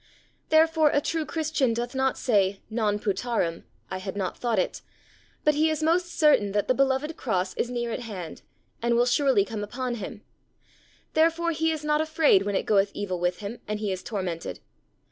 Therefore a true Christian doth not say, "Non putâram" (I had not thought it); but he is most certain that the beloved Cross is near at hand, and will surely come upon him; therefore he is not afraid when it goeth evil with him, and he is tormented.